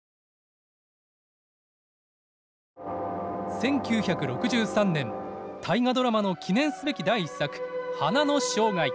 １９６３年「大河ドラマ」の記念すべき第１作「花の生涯」。